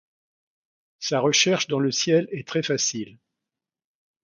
Sa recherche dans le ciel est très facile.